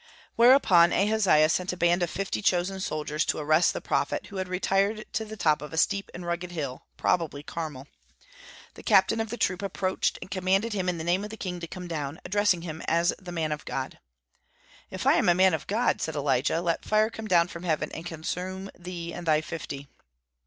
Whereupon Ahaziah sent a band of fifty chosen soldiers to arrest the prophet, who had retired to the top of a steep and rugged hill, probably Carmel. The captain of the troop approached, and commanded him in the name of the king to come down, addressing him as the man of God. "If I am a man of God," said Elijah, "let fire come down from heaven and consume thee and thy fifty."